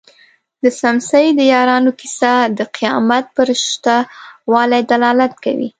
د څمڅې د یارانو کيسه د قيامت پر شته والي دلالت کوي.